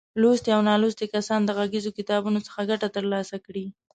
لوستي او نالوستي کسان د غږیزو کتابونو څخه ګټه تر لاسه کړي.